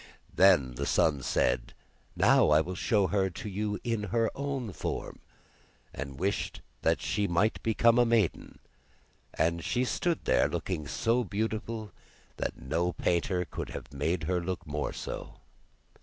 Then the son said: 'Now will I show her to you in her own form,' and wished that she might become a maiden, and she stood there looking so beautiful that no painter could have made her look more so.